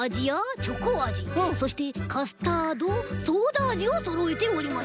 チョコあじそしてカスタードソーダあじをそろえております。